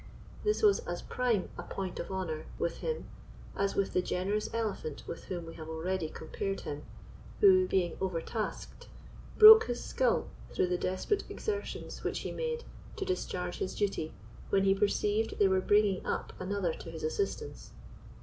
This was as prime a point of honour with him as with the generous elephant with whom we have already compared him, who, being overtasked, broke his skull through the desperate exertions which he made to discharge his duty, when he perceived they were bringing up another to his assistance.